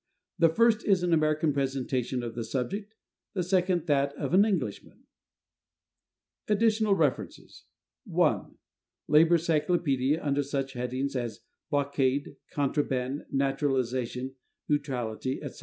The first is an American presentation of the subject; the second that of an Englishman. Additional References. (1) Lalor's Cyclopædia under such headings as "Blockade," "Contraband," "Naturalisation," "Neutrality," etc.